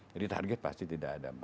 jadi target pasti tidak ada